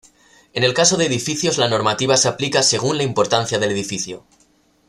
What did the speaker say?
En el caso de edificios la normativa se aplica según la importancia del edificio.